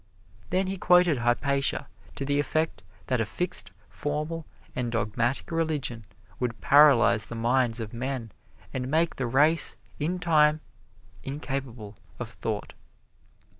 Then he quoted Hypatia to the effect that a fixed, formal and dogmatic religion would paralyze the minds of men and make the race, in time, incapable of thought.